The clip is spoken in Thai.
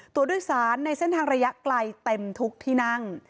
ตัวโดยสารในเส้นทางระยะไกลเต็มทุกที่นั่ง